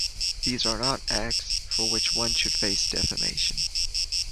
These are not acts for which one should face defamation.